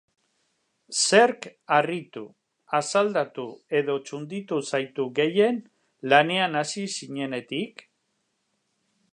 Zerk harritu, asaldatu edo txunditu zaitu gehien lanean hasi zinenetik?